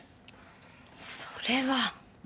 それは。